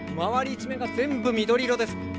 一面が全部緑色です。